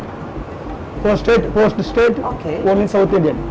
empat negara satu di tengah india